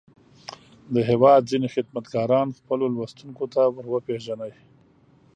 د هېواد ځينې خدمتګاران خپلو لوستونکو ته ور وپېژني.